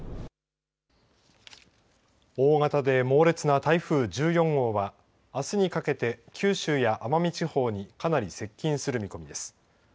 大型で猛烈な台風１４号はあすにかけて九州や奄美地方にかなり接近する見込みです。